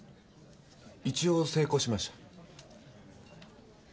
一応成功しました。